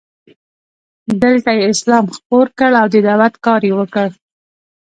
دلته یې اسلام خپور کړ او د دعوت کار یې وکړ.